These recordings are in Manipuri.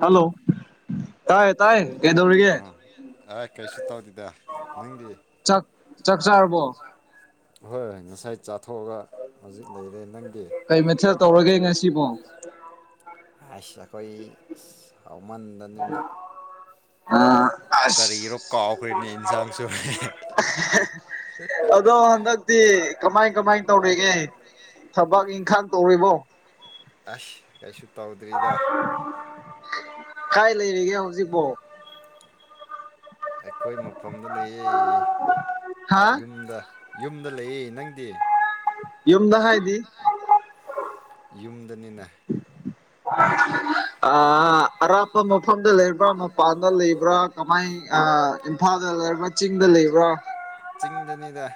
ꯍꯜꯂꯣ ꯑ ꯑ ꯀꯩꯁꯤ ꯇ ꯍꯗꯗ ꯅꯪꯗꯤ ꯍꯣꯏ ꯉꯁꯥꯏ ꯆꯥꯊꯣꯛꯑꯒ ꯍꯧꯖꯤꯛ ꯂꯩꯔꯦ ꯅꯪ ꯀꯩ ꯃꯊ ꯇꯧꯔꯒꯦ ꯉꯁꯤꯕꯣ ꯑꯩꯈꯣꯏ ꯍꯥꯎꯃꯟꯗꯕꯅꯤꯅ ꯑꯥ ꯀꯔꯤꯔꯣꯀ [unintelligible] ꯑꯗꯣ ꯍꯟꯗꯛꯇꯤ ꯀꯃꯥꯏ ꯀꯃꯥꯏꯅ ꯇꯧꯔꯤꯒꯦ ꯊꯕꯛ ꯏꯪꯈꯥꯡ ꯇꯧꯔꯤꯕꯣ ꯑꯁ ꯀꯩꯁꯨ ꯇꯧꯗ꯭ꯔꯤꯗ ꯀꯥꯏ ꯂꯩꯔꯤꯒꯦ ꯍꯧꯖꯤꯛꯕꯣ ꯑꯩꯈꯣꯏ ꯃꯐꯝꯗ ꯂꯩꯌꯦ ꯌꯨꯝꯗ ꯌꯨꯝꯗ ꯂꯩꯏ ꯅꯪꯗꯤ ꯌꯨꯝꯗ ꯍꯥꯏꯗꯤ ꯌꯨꯝꯗꯅꯤꯅ ꯑ ꯑꯔꯥꯞꯄ ꯃꯐꯝꯗ ꯂꯩꯕ꯭ꯔꯥ ꯃꯄꯥ ꯂꯩꯕ꯭ꯔꯥ ꯀꯃꯥꯏ ꯏꯝꯐꯥꯜꯗ ꯂꯩ ꯆꯤꯡꯗ ꯂꯩꯕ꯭ꯔꯥ ꯆꯤꯡꯗꯅꯤꯗ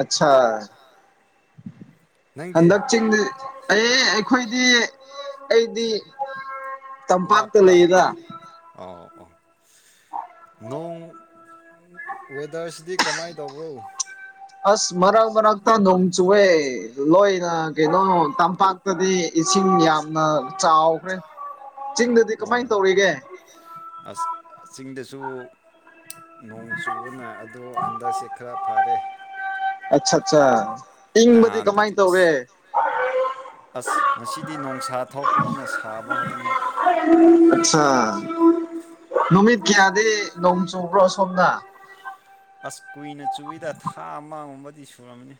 ꯑꯆꯥ ꯍꯟꯗꯆ ꯑ ꯑꯩꯈꯣꯏꯗꯤ ꯑꯩꯗꯤ ꯇꯝꯄꯥꯛꯇ ꯂꯩꯌꯦꯗ ꯋ ꯑꯁ ꯃꯅꯥꯛ ꯃꯔꯒ ꯊꯗ ꯆꯨꯋꯦ ꯂꯣꯏꯅ ꯀꯩꯅꯣ ꯇꯝꯄꯥꯛꯇꯗꯤ ꯏꯁꯤꯡ ꯌꯥꯝꯅ ꯆꯥꯎꯈ꯭ꯔꯦ ꯆꯤꯡꯗꯗꯤ ꯀꯃꯥꯏ ꯇꯧꯔꯤꯒꯦ ꯁꯨ ꯅꯣꯡ ꯆꯨꯕꯅ ꯑꯗ ꯍꯟꯗꯛꯁꯦ ꯈꯔ ꯐꯔꯦ ꯑ ꯏꯪꯕꯗꯤ ꯀꯃꯥꯏꯅ ꯇꯧꯔꯦ ꯑꯁ ꯉꯁꯤꯗꯤ ꯅꯣꯡꯁꯥ ꯊꯣꯛꯄꯅꯤꯅ ꯁꯥꯕ ꯍꯧꯔꯦ ꯑꯃꯨꯛ ꯑ ꯅꯨꯃꯤꯠ ꯀꯌꯥꯗꯤ ꯅꯣꯡ ꯆꯨꯕ꯭ꯔꯣ ꯁꯣꯝꯅ ꯑꯁ ꯀꯨꯏꯅ ꯆꯨꯏꯗ ꯊꯥ ꯑꯃꯒꯨꯝꯕꯗꯤ ꯁꯨꯔꯝꯃꯅꯤ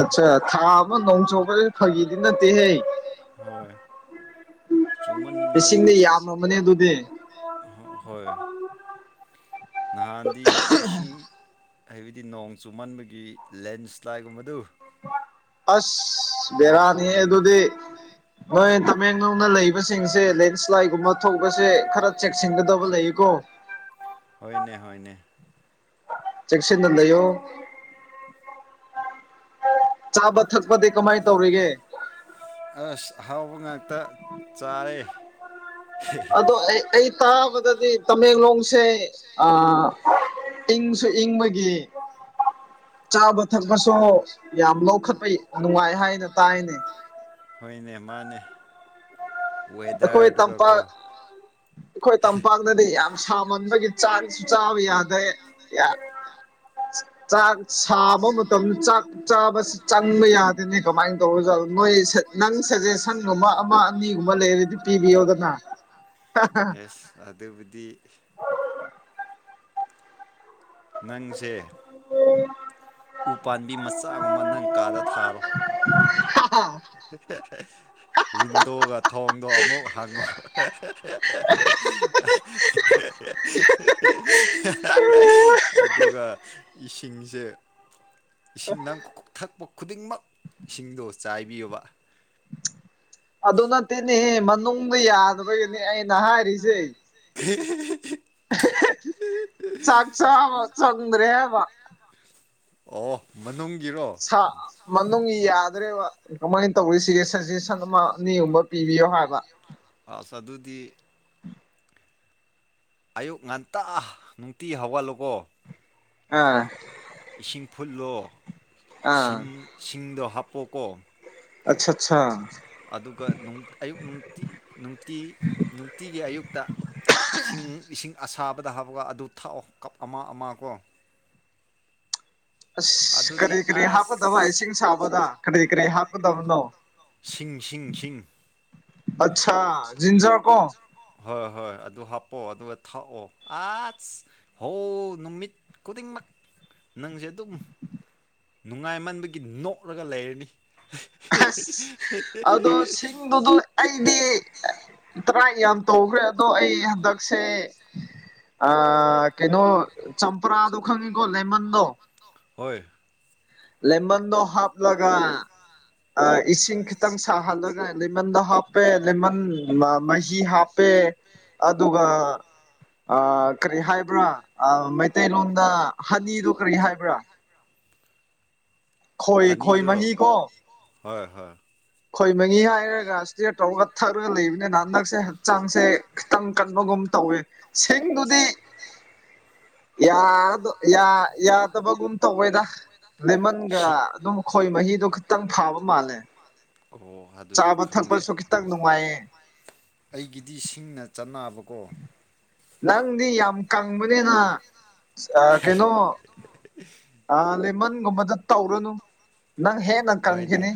ꯑꯠꯆꯥ ꯊꯥ ꯑꯃ ꯅꯣꯡ ꯆꯣꯡꯕ ꯐꯥꯒꯤꯗꯤ ꯅꯠꯇꯦꯍꯦ ꯂꯤꯁꯤꯡꯗꯤ ꯌꯥꯝꯃꯕꯅꯦ ꯑꯗꯨꯗꯤ ꯍꯣꯏ ꯅꯍꯥꯟꯗꯤ ꯏꯁꯤꯡ ꯍꯥꯏꯕꯗꯤ ꯅꯣꯡ ꯆꯨꯃꯟꯕꯒꯤ ꯂꯦꯟꯁ꯭ꯂꯥꯏꯠꯒꯨꯝꯕꯗꯨ ꯑꯁ ꯕꯔꯥꯅꯤ ꯑꯗꯨꯗꯤ ꯍꯣꯏ ꯇꯃꯦꯦꯟ ꯅꯨꯡꯅ ꯂꯩꯕꯁꯤꯡꯁꯦ ꯂꯦꯟꯁ꯭ꯂꯥꯏꯠ ꯍꯣꯏꯅꯦ ꯍꯣꯏꯅꯦ ꯆꯦꯛꯁꯤꯟ ꯂꯩꯣ ꯑꯁ ꯑꯍꯥꯎꯕ ꯉꯥꯛꯇ ꯆꯥꯔꯦ ꯑꯗꯣ ꯑꯩ ꯑꯩ ꯇꯥꯕꯗꯗꯤ ꯇꯃꯦꯡꯂꯣꯡꯁꯦ ꯏꯪꯁꯨ ꯏꯪꯕꯒꯤ ꯆꯥꯕ ꯊꯛꯄꯁꯨ ꯌꯥꯝ ꯂꯧꯈꯠꯄꯩ ꯅꯨꯡꯉꯥꯏ ꯍꯥꯏꯅ ꯇꯥꯏꯅꯦ ꯑꯩꯈꯣꯏ ꯇꯝꯄꯥꯛ ꯑꯩꯈꯣꯏ ꯇꯝꯄꯥꯛꯅꯗꯤ ꯌꯥꯝ ꯁꯥꯃꯟꯕꯒꯤ ꯆꯥꯡꯁꯨ ꯆꯕ ꯌꯥꯗ ꯌꯥ ꯆꯥꯛ ꯁꯥꯕ ꯃꯇꯝꯗ ꯆꯥꯛ ꯆꯥꯕꯁꯤ ꯆꯪꯕ ꯌꯥꯗꯦꯅꯤ ꯀꯃꯥꯏꯅ ꯇꯧꯔꯖꯠ ꯅꯣꯏ ꯅꯪ ꯁꯖꯦꯁꯟꯒꯨꯝꯕ ꯑꯃ ꯀꯨꯝꯕ ꯂꯩꯔꯤꯗꯤ ꯇꯤꯚꯤ ꯌꯗꯅ ꯅꯪꯁꯦ ꯑꯣ ꯎꯄꯥꯥꯝꯕꯤ ꯃꯆꯥꯒꯨꯝꯕ ꯅꯪ ꯀꯥꯗ ꯊꯥꯔꯣ ꯍ ꯍꯣ [inaudible] ꯋꯤꯟꯗꯣꯒ ꯊꯣꯡꯗꯣ ꯑꯃꯨꯛ ꯍꯥꯡꯉꯨ ꯑꯗꯨꯒ ꯏꯁꯤꯡꯁꯦ ꯑ ꯏꯁꯤꯡ ꯅꯪ ꯊꯛꯄ ꯈꯨꯗꯤꯡꯃꯛ ꯏꯁꯤꯡꯗꯣ ꯆꯥꯏꯕꯤꯌꯨꯕ ꯑꯗꯨ ꯅꯠꯇꯦꯅꯦꯍ ꯃꯅꯨꯡꯗ ꯌꯥꯗꯕꯒꯤꯅꯤ ꯑꯩꯅ ꯍꯥꯏꯔꯤꯁꯦ ꯍ ꯆꯥꯛꯥꯛꯆꯥ ꯍꯥꯕ ꯆꯗ꯭ꯔꯦ ꯍꯥꯏꯕ ꯑꯣ ꯁꯥ ꯃꯅꯨꯡ ꯌꯥ ꯐꯗ꯭ꯔꯦꯕ ꯀꯃꯥꯏꯅ ꯇꯧꯔꯤꯁꯤꯒꯦ ꯁꯖꯦꯁꯟ ꯑꯃ ꯑꯅꯤꯒꯨꯝꯕ ꯄꯤꯕꯤꯌꯣ ꯍꯥꯏꯕ ꯑꯁ ꯑꯗꯨꯗꯤ ꯑꯌꯨꯛ ꯉꯟꯇꯥ ꯅꯨꯡꯇꯤ ꯍꯧꯒꯠꯂꯨꯀꯣ ꯑꯥ ꯏꯁꯤꯡ ꯐꯨꯠꯂꯣ ꯁꯤꯡ ꯁꯤꯡꯗꯣ ꯍꯥꯞꯄꯣꯀꯣ ꯑꯆꯥ ꯑꯗꯨꯒ ꯑꯌꯨꯤ ꯅꯨꯡꯇꯤ ꯅꯨꯡꯇꯤꯒꯤ ꯑꯌꯨꯛ ꯗ ꯁꯤꯡ ꯏꯁꯤꯡ ꯑꯁꯥꯕꯗ ꯍꯥꯞꯄꯒ ꯑꯗꯨ ꯊꯛꯑꯣ ꯀꯞ ꯑꯃ ꯑꯃ ꯀꯣ ꯑꯁ ꯀꯔꯤ ꯀꯔꯤ ꯍꯥꯞꯀꯗꯕ ꯏꯁꯤꯡ ꯁꯥꯕꯗ ꯀꯔꯤ ꯀꯔꯤ ꯍꯥꯞꯀꯗꯕꯅꯣ ꯁꯤꯡ ꯁꯤꯡ ꯁꯤꯡ ꯑꯆꯥꯥ ꯖꯤꯟꯖꯔ ꯀꯣ ꯍꯣꯏ ꯍꯣꯏ ꯑꯗꯨ ꯍꯥꯞꯄꯑꯣ ꯑꯗꯨꯒ ꯊꯛꯑꯣ ꯑꯁ ꯍꯣ ꯅꯨꯃꯤꯠ ꯈꯨꯗꯤꯡꯃꯛ ꯅꯪꯁꯦ ꯑꯗꯨꯝ ꯅꯨꯡꯉꯥꯏꯃꯟꯕꯒꯤ ꯅꯣꯛꯂꯒ ꯂꯩꯔꯅꯤ ꯑꯁ ꯑꯗꯣ ꯁꯤꯡꯗꯨꯗ ꯑꯩꯗꯤ ꯇꯔꯥꯏ ꯌꯥꯝ ꯇꯧꯈ꯭ꯔꯦ ꯑꯗꯣ ꯑꯩ ꯍꯟꯗꯛꯁꯦ ꯑ ꯀꯩꯅꯣ ꯆꯝꯄ꯭ꯔꯥꯗꯣ ꯈꯪꯉꯤꯀꯣ ꯂꯦꯃꯟꯗꯣ ꯍꯣꯏ ꯂꯃꯟꯗꯣ ꯍꯥꯞꯂꯒ ꯏꯁꯤꯡ ꯈꯤꯇꯪ ꯁꯥꯍꯜꯂꯒ ꯃꯗ ꯍꯥꯞꯄꯦ ꯂꯦꯃꯟ ꯃꯍꯤ ꯍꯥꯞꯄꯦ ꯑꯗꯨꯒ ꯀꯔꯤ ꯍꯥꯏꯕ꯭ꯔꯥ ꯃꯩꯇꯩꯂꯣꯟꯗ ꯍꯅꯤꯗꯨ ꯀꯔꯤ ꯍꯥꯏꯕ꯭ꯔꯥ ꯈꯣꯏ ꯈꯣꯏ ꯃꯍꯤ ꯀꯣ ꯍꯣꯏ ꯍꯣꯏ ꯈꯣꯏ ꯃꯅꯤ ꯍꯥꯏꯔꯒ ꯏꯁꯇꯤꯌꯔ ꯇꯧꯔꯒ ꯊꯛꯂꯒ ꯂꯩꯕꯅꯤꯅ ꯍꯟꯗꯛꯁꯦ ꯍꯛꯆꯥꯡꯁꯦ ꯈꯤꯇꯪ ꯀꯟꯕꯒꯨꯝ ꯇꯧꯋꯦ ꯁꯤꯡꯗꯨꯗꯤ ꯌꯥꯗꯕꯒꯨꯝ ꯇꯧꯋꯦꯗ ꯂꯦꯃꯟꯒ ꯑꯗꯨꯝ ꯈꯣꯏ ꯃꯍꯤꯗꯣ ꯈꯤꯇꯪ ꯐꯥꯕ ꯃꯥꯜꯂꯦ ꯑꯣ ꯑꯗꯨꯁꯨ ꯈꯪꯂꯦ ꯑꯩꯒꯤꯗꯤ ꯁꯤꯡꯅ ꯆ ꯔꯨꯀꯣ ꯅꯪꯗꯤ ꯌꯥꯝ ꯀꯪꯕꯅꯤꯅ ꯀꯩꯅꯣ ꯑꯥ ꯂꯦꯃꯟꯒꯨꯝꯕꯗ ꯇꯧꯔꯨꯅꯨ ꯅꯪ ꯍꯦꯟꯅ ꯀꯪꯈꯤꯅꯤ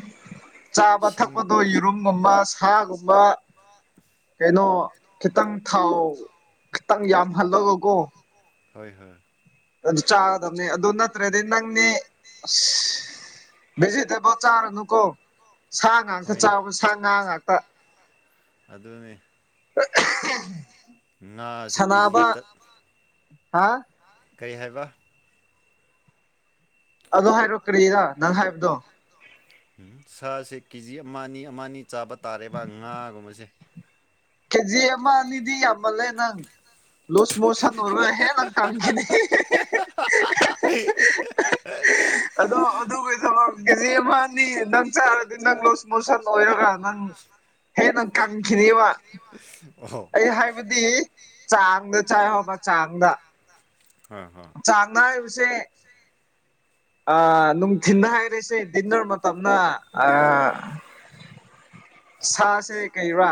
ꯆꯥꯕ ꯊꯛꯄꯗꯣ ꯌꯦꯔꯨꯝꯒꯨꯝꯕ ꯍꯥꯏꯒꯨꯝꯕ ꯀꯩꯅꯣ ꯈꯤꯇꯪ ꯊꯥꯎ ꯈꯤꯇꯪ ꯌꯥꯝꯍꯜꯂꯒꯀꯣ ꯍꯣꯏ ꯍꯣꯏ ꯑꯗꯨ ꯆꯥꯒꯗꯕꯅꯤ ꯑꯗꯨ ꯅꯠꯇ꯭ꯔꯗꯤ ꯅꯪꯅꯦ ꯑꯁ ꯚꯦꯖꯤꯇꯦꯕꯜ ꯆꯥꯔꯅꯨꯀꯣ ꯁꯥ ꯉꯥꯛꯇ ꯆꯥꯕ ꯁꯥ ꯉꯥ ꯉꯥꯛꯇ ꯑꯗꯨꯗꯅꯦ [unintelligible] ꯉꯥꯁ ꯀꯦꯖꯤ ꯇ ꯍꯥꯥ ꯀꯔꯤ ꯍꯥꯏꯕ ꯑꯗꯣ ꯍꯥꯏꯔꯛꯈ꯭ꯔꯦꯗ ꯅꯪ ꯍꯥꯏꯕꯗꯣ ꯁꯥꯁꯦ ꯀꯦ ꯖꯤ ꯑꯃ ꯑꯅꯤ ꯑꯃ ꯑꯅꯤ ꯆꯥꯕ ꯇꯥꯔꯦꯕ ꯉꯥꯒꯨꯝꯕꯁꯦ ꯀꯦꯖꯤ ꯑꯃꯅꯤꯗꯤ ꯌꯥꯝꯃꯂꯦ ꯅꯪ ꯂꯣꯁ ꯃꯣꯁ ꯁꯥꯟꯅꯔꯒꯍꯦ ꯅꯪ ꯀꯪꯈꯤꯦꯅꯦ ꯑꯗꯣ ꯑꯗꯨꯕꯨꯗ ꯀꯦꯖꯤ ꯑꯃ ꯑꯅꯤ ꯅꯪ ꯆꯥꯔꯗꯤ ꯅꯪ ꯂꯣꯁ ꯃꯣꯁꯟ ꯑꯣꯏꯔꯒ ꯅꯪ ꯎ ꯍꯦ ꯅꯪ ꯀꯪꯈꯤꯗ ꯋꯥ ꯑꯕ ꯑꯩ ꯍꯥꯏꯕꯗꯤ ꯆꯥꯡꯗ ꯆꯥꯏ ꯍꯕ ꯆꯥꯡꯗ ꯆꯥꯡꯅꯥ ꯏ ꯎꯆꯁꯦ ꯑ ꯅꯨꯡꯊꯤꯅ ꯍꯥꯏꯔꯁꯦ ꯗꯤꯟꯅꯔ ꯃꯇꯝꯅ ꯑ [unintelligible] ꯁꯥꯁꯦ ꯀꯔꯥ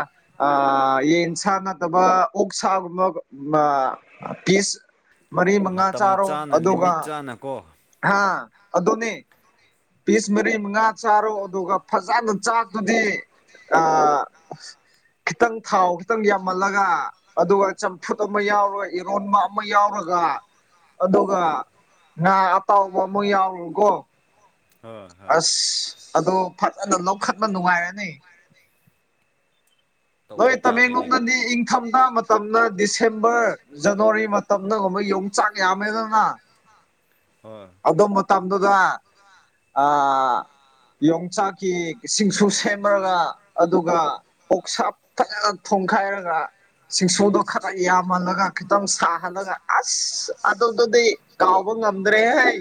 ꯌꯦꯟ ꯁꯥ ꯅꯠꯇꯕ ꯑꯣꯛ ꯁꯥꯒꯨꯝꯕ ꯑ ꯄꯤꯁ ꯃꯇꯝ ꯆꯥꯅ ꯂꯤꯃꯤꯠ ꯆꯥꯅ ꯀꯣ ꯍꯥꯥꯗꯣꯅꯦ ꯄꯤꯁ ꯃꯔꯤ ꯃꯉꯥ ꯆꯥꯔꯣ ꯑꯗꯨꯒ ꯐꯖꯅ ꯆꯥꯛꯇꯨꯗꯤ ꯑꯥ ꯈꯤꯇꯪ ꯊꯥꯎ ꯈꯤꯇꯪ ꯌꯥꯝꯃꯜꯂꯒ ꯑꯗꯨꯒ ꯆꯝꯐꯨꯠ ꯑꯃ ꯌꯥꯎꯔ ꯏꯔꯣꯟꯕ ꯑꯃ ꯌꯥꯎꯔꯁꯨ ꯑꯗꯨꯒ ꯉꯥ ꯑꯇꯥꯎꯕ ꯑꯃꯨ ꯌꯥꯎꯔꯣꯀꯣ ꯑꯁ ꯑꯗꯣ ꯐꯖꯅ ꯂꯧꯈꯠꯄ ꯅꯨꯡꯉꯥꯏꯔꯅꯤ ꯅꯣꯏ ꯇꯃꯦꯡꯂꯣꯡꯗꯗꯤ ꯏꯪꯊꯝꯊꯥ ꯃꯇꯝꯅ ꯗꯤꯁꯦꯝꯕꯔ ꯖꯅꯋꯥꯔꯤ ꯃꯇꯝ ꯌꯣ ꯆꯥꯛ ꯌꯥꯝꯃꯦꯗꯅ ꯍꯣꯏ ꯇꯝꯗ ꯑ ꯌꯣꯡꯆꯥꯛꯀꯤ ꯁꯤꯡꯁꯨ ꯁꯦꯝꯃꯔꯒ ꯑꯗꯨꯒ ꯑꯣꯁꯥꯞ ꯐꯖ ꯊ ꯇꯈꯥꯏꯔꯒ ꯁꯤꯡꯁꯣꯗꯣ ꯈꯔ ꯌꯥꯝꯃꯜꯂꯒ ꯁꯥꯍꯜꯂꯒ ꯑꯁ ꯑꯗꯨꯗꯨꯗꯤ ꯀꯥꯎꯕ ꯉꯝꯗ꯭ꯔꯦꯍꯩ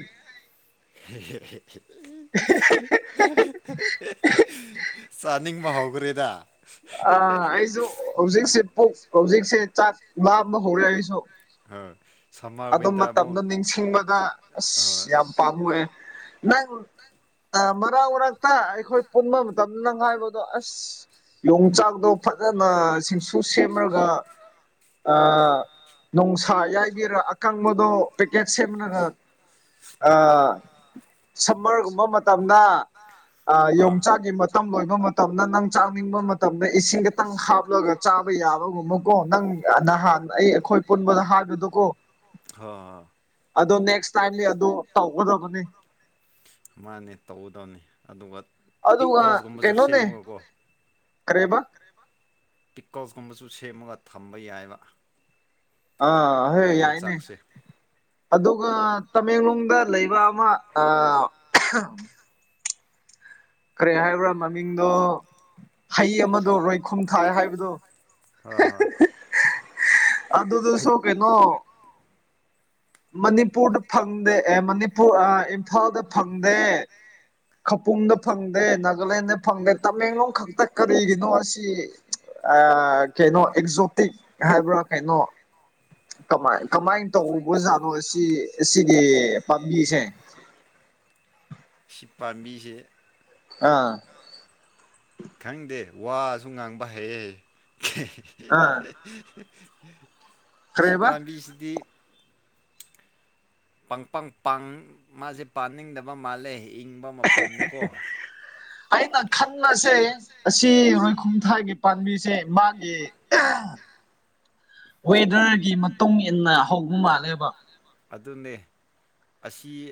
ꯍ ꯆꯥꯅꯤꯡꯕ ꯍꯧꯈ꯭ꯔꯦꯗ ꯑꯥ ꯑꯩꯁꯨ ꯍꯧꯖꯤꯛꯁꯦ ꯄꯣꯛ ꯍꯧꯖꯤꯛꯁꯦ ꯆꯥꯛ ꯂꯥꯝꯕ ꯍꯧꯔꯦ ꯑꯩꯁꯨ ꯑ ꯑꯗꯨ ꯃꯇꯝꯗꯣ ꯅꯤꯡꯁꯤꯡꯕꯗ ꯑꯁ ꯌꯥꯝ ꯄꯥꯝꯃꯑꯦ ꯅꯪ ꯑ ꯃꯔꯛ ꯃꯔꯛꯇ ꯑꯩꯈꯣꯏ ꯄꯨꯟꯕ ꯃꯇꯝꯗꯅ ꯍꯥꯏꯥꯏꯕꯗꯣ ꯑꯁ ꯌꯣꯡꯆꯥꯛꯗꯣ ꯐꯖꯅ ꯁꯤꯡꯁꯨ ꯁꯦꯝꯃꯒ ꯑ ꯅꯨꯡꯁꯥ ꯌꯥꯏꯕꯤꯔ ꯀꯥꯡꯪꯕꯗꯣ ꯄꯦꯛꯀꯦꯠ ꯁꯦꯝꯃꯒ ꯁꯝꯃꯔꯒꯨꯝꯕ ꯇꯝꯅ ꯌꯣꯡꯆꯥꯛꯒꯤ ꯃꯇꯝ ꯂꯣꯏꯕ ꯃꯇꯝꯗ ꯅꯪ ꯆꯥꯅꯤꯡꯕ ꯃꯇꯝꯗ ꯏꯁꯤꯡ ꯈꯤꯇꯪ ꯍꯥꯞꯂꯒ ꯆꯥ ꯊꯥꯕ ꯌꯥꯕꯒꯨꯝꯕꯀꯣ ꯅꯪ ꯅꯍꯥꯟ ꯑꯩ ꯑꯩꯈꯣꯏ ꯄꯨꯟꯕꯗ ꯍꯥꯏꯕꯗꯨꯀꯣ ꯑꯗꯨ ꯅꯦꯛꯁ ꯇꯥꯏꯝꯗꯤ ꯑꯗꯨ ꯇꯧꯒꯗꯕꯅꯤ ꯁꯨ ꯃꯥꯅ ꯇꯧꯒꯗꯕꯅꯤ ꯑꯗꯨꯒ ꯑꯗꯨ ꯑꯗꯨ ꯑ ꯀꯩꯅꯣꯅꯦ ꯔꯦꯕ ꯄꯤꯛꯀꯣꯁꯀꯨꯝꯕꯁꯨ ꯁꯦꯝꯃꯒ ꯊꯝꯕ ꯌꯥꯏꯕ ꯑꯥꯣꯏ ꯌꯥꯏꯅꯦ ꯑꯗꯨꯒ ꯇꯃꯦꯡꯂꯣꯡꯗ ꯂꯩꯕ ꯑꯃ ꯀꯔꯤ ꯍꯥꯏꯕ꯭ꯔꯥ ꯃꯃꯤꯡꯗꯣ ꯍꯩ ꯑꯃꯗꯣ ꯔꯣꯏꯈꯨꯝ ꯊꯥꯏ ꯍꯥꯏꯕꯗꯣ ꯑꯗꯨ ꯑꯗꯨꯗꯨ ꯁꯣ ꯀꯩꯅꯣ ꯃꯅꯤꯄꯨꯔꯗ ꯐꯪꯗꯦ ꯑꯦ ꯃꯅꯤꯄꯨꯔ ꯏꯝꯐꯥꯜꯗ ꯐꯪꯗꯦ ꯈꯄꯨꯡꯗ ꯐꯪꯗꯦ ꯅꯥꯒꯥꯂꯦꯟꯗ ꯐꯪꯗꯦ ꯇꯃꯦꯡꯂꯣꯡ ꯈꯛꯇ ꯀꯔꯤꯒꯤꯅꯣ ꯑꯁꯤ ꯑ ꯀꯩꯅꯣ ꯑꯦꯛꯖꯣꯇꯤꯛ ꯍꯥꯏꯕ꯭ꯔꯥ ꯀꯩꯅꯣ ꯃꯥꯏ ꯀꯃꯥꯏꯅ ꯇꯧꯕꯖꯥꯠꯅꯣ ꯁꯤ ꯑꯁꯤꯒꯤ ꯄꯥꯝꯕꯤꯁꯦ [inaudible] ꯄꯥꯝꯕꯤꯁꯦ ꯑꯥ ꯈꯪꯗꯦ ꯋꯥꯁꯨ ꯉꯥꯡꯕ ꯍꯩꯑ ꯁꯤ ꯄꯥꯝꯕꯤꯁꯤꯗꯤ ꯃꯥꯁꯦ ꯄꯥꯅꯤꯡꯗꯕ ꯃꯥꯜꯂꯦ ꯑꯩꯅ ꯈꯟꯁꯦ ꯑꯁꯤ ꯔꯣꯏꯈꯨꯝꯊꯥꯏꯒꯤ ꯄꯥꯝꯕꯤꯁꯦ ꯃꯥꯒꯤ ꯋꯦꯗꯔꯒꯤ ꯃꯇꯨꯡ ꯏꯟꯅ ꯍꯧꯕ ꯃꯥꯜꯂꯦꯕ ꯑꯗꯨꯅꯦ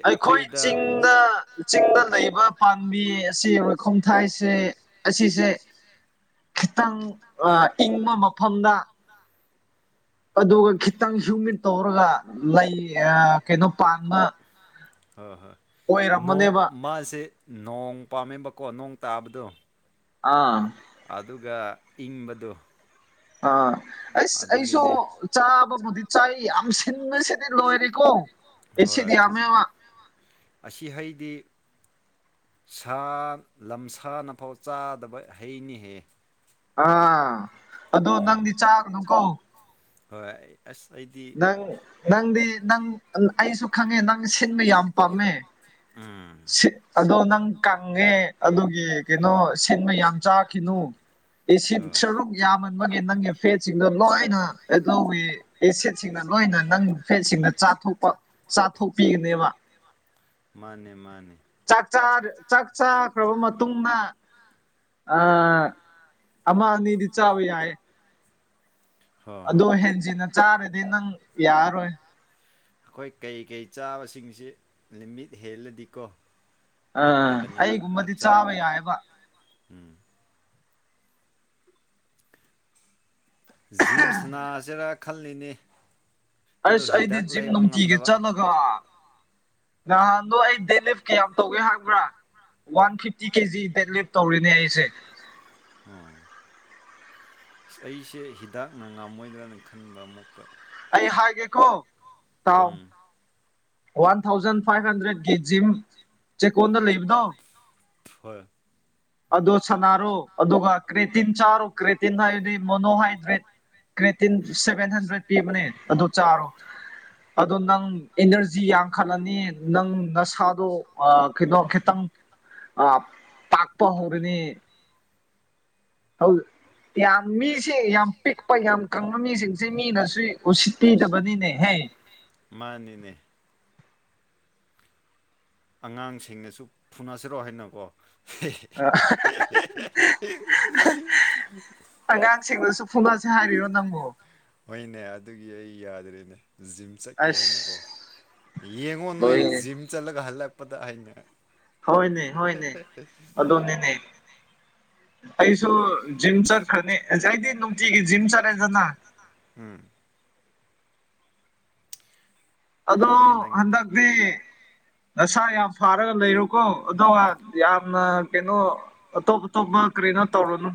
ꯑꯩꯈꯣꯏ ꯆꯤꯡꯗ ꯆꯤꯡꯗ ꯂꯩꯕ ꯄꯥꯝꯕꯤ ꯑꯁꯤꯔꯣꯏꯈꯣꯝ ꯊꯥꯏꯁꯦ ꯑꯁꯤꯁꯦ ꯈꯤꯇꯪ ꯏꯪꯕ ꯃꯐꯝꯗ ꯑꯗꯨꯒ ꯈꯤꯇꯪ ꯍꯌꯨꯃꯤꯠ ꯇꯧꯔꯒ ꯂꯩ ꯀꯩꯅꯣ ꯄꯥꯟꯕ ꯑꯣꯏꯔꯝꯃꯅꯦꯕ ꯅꯣꯡ ꯄꯥꯝꯃꯦꯕꯀꯣ ꯅꯣꯡ ꯇꯥꯕꯗꯣ ꯑꯥ ꯑꯗꯨꯒ ꯏꯪꯕꯗꯣ ꯑꯥ ꯑꯁ ꯑꯩꯁꯨ ꯆꯥꯕꯕꯨꯗꯤ ꯆꯥꯏ ꯌꯥꯝ ꯁꯤꯤꯟ ꯃ ꯁꯤꯗꯤ ꯂꯣꯏꯔꯤꯀꯣ ꯍꯣꯏ ꯑꯗꯨ ꯑꯁꯤ ꯍꯩꯗꯤ ꯁꯥ ꯂꯝꯁꯥꯅꯐꯥꯎ ꯆꯥꯗꯕ ꯍꯩꯅꯤꯍꯦ ꯑꯥ ꯑꯣ ꯅꯪꯗꯤ ꯆꯥꯒ ꯑꯗꯨꯝ ꯀꯧ ꯍꯣꯏ ꯑꯁ ꯑꯩꯗꯤ ꯅꯪꯗꯤ ꯅꯪ ꯑꯩꯁꯨ ꯈꯪꯉꯦ ꯅꯪ ꯁꯤꯟꯕ ꯌꯥꯝ ꯄꯥꯝꯃꯦ ꯑꯗꯣ ꯅꯪ ꯀꯪꯉꯦ ꯑꯗꯨꯒꯤ ꯀꯩꯅꯣ ꯁꯤꯟꯕ ꯌꯥꯝ ꯆꯥꯈꯤꯅꯨ ꯇ ꯑꯦꯁꯤꯠ ꯁꯔꯨꯛ ꯌꯥꯝꯃꯟꯕꯒꯤ ꯅꯪꯒꯤ ꯐꯦꯠꯁꯤꯡꯗꯣ ꯂꯣꯏꯅ ꯀꯩꯗꯧꯋꯤ ꯁꯦꯠꯁꯤꯡꯅ ꯂꯣꯏꯅ ꯅꯪ ꯐꯦꯠꯁꯤꯡꯅ ꯆꯥꯊꯣꯛꯄ ꯆꯥꯊꯣꯛꯄꯤꯒꯅꯦꯕ ꯥꯛ ꯆꯥꯛ ꯆꯥꯈ꯭ꯔꯕ ꯃꯇꯨꯡꯗ ꯑ ꯑꯃ ꯅꯤꯡꯔꯤ ꯆꯕ ꯌꯥꯑꯦ ꯑꯗꯣ ꯍꯦꯟꯖꯤꯟꯅ ꯆꯥꯔꯗꯤ ꯅꯪ ꯌꯥꯔꯔꯣꯏ ꯑꯩꯈꯣꯏ ꯀꯩꯀꯩ ꯆꯥꯕꯁꯤꯡꯁꯤ ꯂꯤꯃꯤꯠ ꯍꯦꯜꯂꯗꯤꯀꯣ ꯑꯥ ꯑꯩꯒꯨꯝꯕꯗꯤ ꯆꯥꯕ ꯌꯥꯏꯑꯕ ꯎꯝ ꯖꯤꯝꯁꯅꯥꯁꯤꯔꯥ ꯈꯜꯂꯤꯅꯦ ꯑꯩꯁ ꯑꯩꯗꯤ ꯖꯤꯝ ꯅꯨꯡꯇꯤꯒꯤ ꯆꯠꯂꯒ ꯅꯍꯥꯟꯗꯣ ꯑꯩ ꯗꯦꯂꯤꯞ ꯀꯌꯥꯝ ꯇꯧꯒꯦ ꯍꯪꯕ꯭ꯔꯥ ꯋꯥꯟ ꯐꯤꯐꯇꯤ ꯀꯦꯖꯤꯗ ꯂꯤꯞ ꯇꯧꯔꯤꯅꯦ ꯑꯩꯁꯦ ꯑ ꯑꯁ ꯑꯩꯁꯦ ꯍꯤꯗꯥꯛꯅ ꯉꯝꯃꯣꯏꯗ꯭ꯔꯅ ꯈꯟꯕ ꯑꯃꯨꯛꯀ ꯑꯩ ꯍꯥꯏꯒꯦꯀꯣ ꯇꯥꯎ ꯋꯥꯟ ꯊꯥꯎꯖꯟ ꯐꯥꯏꯚ ꯍꯟꯗ꯭ꯔꯦꯗꯀꯤ ꯖꯤꯝ ꯆꯦꯛꯀꯣꯟꯗ ꯂꯩꯕꯗꯣ ꯍꯣꯏ ꯑꯗꯨꯗ ꯁꯅꯔꯣ ꯑꯗꯨꯒ ꯀ꯭ꯔꯦꯇꯤꯟ ꯆꯥꯔꯣ ꯀ꯭ꯔꯦꯇꯤꯟ ꯍꯥꯏꯕꯗꯤ ꯃꯣꯅꯣꯍꯥꯏꯗ꯭ꯔꯦꯠ ꯀꯦꯇꯤꯟ ꯁꯚꯦꯟ ꯍꯟꯗ꯭ꯔꯦꯠ ꯄꯤꯕꯅꯦ ꯑꯗꯨ ꯆꯥꯔꯣ ꯑꯗꯣ ꯅꯪ ꯏꯅꯔꯖꯤ ꯌꯥꯝꯡꯈꯠꯂꯅꯤ ꯅꯪ ꯅꯁꯥꯗꯣ ꯀꯩꯅꯣ ꯈꯤꯇꯪ ꯑ ꯇꯥꯛꯄꯍꯔꯤꯅꯤ ꯍꯗ ꯌꯥꯝ ꯃꯤꯁꯦ ꯌꯥꯝ ꯄꯤꯛꯄ ꯌꯥꯝ ꯀꯪꯕ ꯃꯤꯁꯤꯡꯁꯦ ꯃꯤꯅꯁꯨ ꯎꯁꯤꯠꯄꯤꯗꯕꯅꯤꯅꯦꯍꯦ [unintelligible] ꯃꯥꯅꯤꯅꯦ ꯑꯉꯥꯡꯁꯤꯡꯅꯁꯨ ꯐꯨꯅꯁꯤꯔꯣꯑꯣ ꯍꯥꯏꯅꯀꯣ [unintelligible] ꯑꯉꯥꯡꯁꯤꯡꯗꯨꯁꯨ ꯐꯣꯅꯁꯦ ꯍꯥꯏꯕꯤꯔꯣ ꯅꯪꯉꯣ ꯑꯗꯨꯒꯤ ꯑꯩ ꯌꯥꯗ꯭ꯔꯦꯅꯦ ꯖꯤꯝ ꯆꯠꯀꯦ ꯍꯥꯏꯅꯀꯣ ꯌꯦꯡꯉꯣ ꯅꯣꯏ ꯖꯤꯝ ꯆꯠꯂꯒ ꯍꯜꯂꯛꯄꯗ ꯑꯩꯅ ꯍꯣꯏꯅꯦ ꯍꯣꯏꯅꯦ ꯑꯗꯨꯗꯣꯅꯤꯅꯦ ꯑꯩꯁꯨ ꯖꯤꯝ ꯆꯠꯈ꯭ꯔꯅꯤ ꯑꯩꯗꯤ ꯅꯨꯡꯇꯤꯒꯤ ꯖꯤꯝ ꯆꯠꯦꯗꯅ ꯎꯝ ꯑꯗꯣ ꯍꯟꯗꯒꯗꯤ ꯅꯁꯥ ꯌꯥꯝ ꯐꯥꯔꯒ ꯂꯩꯔꯨꯀꯣ ꯑꯗꯨꯒ ꯌꯥꯝꯅ ꯀꯩꯅꯣ ꯑꯇꯣꯞ ꯑꯇꯣꯞꯄ ꯀꯔꯤꯅ ꯇꯧꯔꯅꯨ